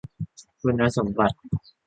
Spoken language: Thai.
คุณสมบัติ